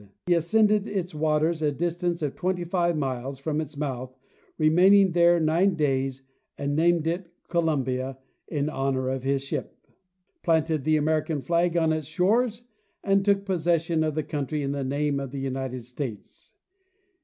He ascended its waters a distance of twenty five miles from its mouth, re maining there nine days, and named it "' Columbia " in honor of his ship, planted the American flag on its shores and took pos session of the country in the name of the United States.